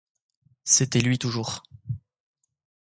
C'était lui toujours.